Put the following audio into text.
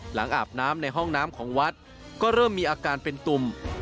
อาบน้ำในห้องน้ำของวัดก็เริ่มมีอาการเป็นตุ่ม